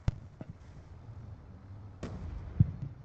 Kupata ushauri kwa wataalamu ya mambo ya mifugo ni muhimu sana